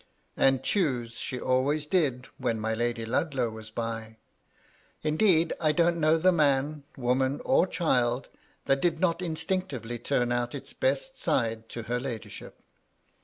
And choose she always did when my Lady Ludlow was by. Indeed, T don't know the man, woman, or child, that did not instinctively turn out its best side to her ladyship.